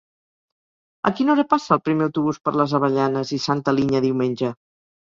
A quina hora passa el primer autobús per les Avellanes i Santa Linya diumenge?